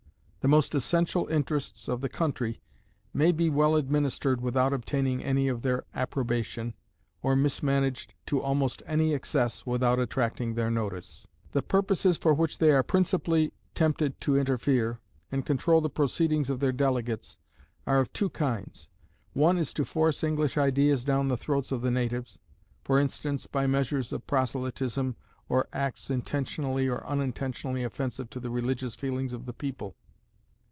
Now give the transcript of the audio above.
The most essential interests of the country may be well administered without obtaining any of their approbation, or mismanaged to almost any excess without attracting their notice. The purposes for which they are principally tempted to interfere, and control the proceedings of their delegates, are of two kinds. One is to force English ideas down the throats of the natives; for instance, by measures of proselytism, or acts intentionally or unintentionally offensive to the religious feelings of the people.